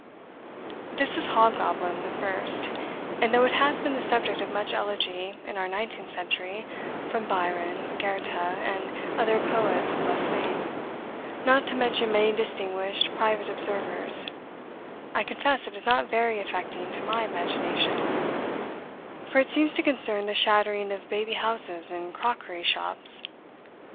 This is hobgoblin the first; and, though it has been the subject of much elegy, in our nineteenth century, from Byron, Goethe, and other poets of less fame, not to mention many distinguished private observers, I confess it is not very affecting to my imagination; for it seems to concern the shattering of baby houses and crockery shops.